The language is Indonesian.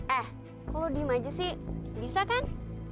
eh kok lo diem aja sih bisa kan